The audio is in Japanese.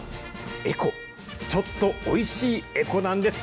エコ、ちょっとおいしいエコなんです。